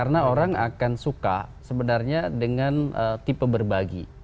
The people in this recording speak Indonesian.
orang orang yang akan suka sebenarnya dengan tipe berbagi